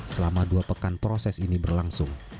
selama dua pekan proses ini berlangsung